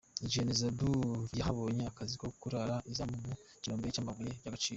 I Johannesburg yahabonye akazi ko kurara izamu mu birombe by’amabuye y’agaciro.